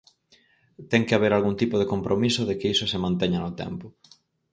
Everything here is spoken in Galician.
Ten que haber algún tipo de compromiso de que iso se manteña no tempo.